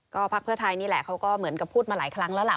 ก็พักเพื่อไทยนี่แหละเขาก็เหมือนกับพูดมาหลายครั้งแล้วล่ะ